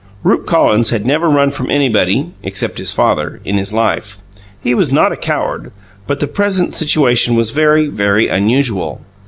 Rupe Collins had never run from anybody (except his father) in his life; he was not a coward; but the present situation was very, very unusual.